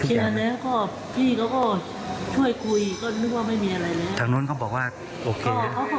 จากนั้นเขาบอกว่าโอเค